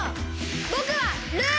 ぼくはルーナ！